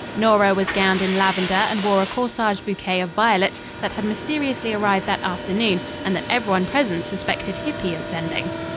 Nora was gowned in lavender and wore a corsage bouquet of violets that had mysteriously arrived that afternoon, and that everyone present suspected Hippy of sending.